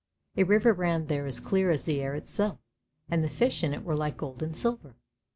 A river ran there as clear as the air itself, and the fish in it were like gold and silver.